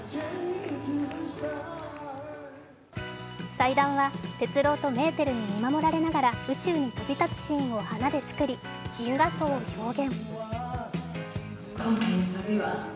祭壇は鉄郎とメーテルに見守られながら宇宙に飛び立つシーンを花で作り、銀河葬を表現。